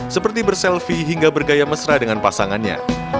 seperti berselfie hingga bergaya mesra dengan pasangannya